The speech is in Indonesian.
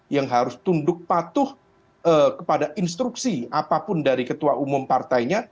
yang harus tunduk patuh kepada instruksi apapun dari ketua umum partainya